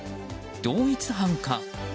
同一犯か。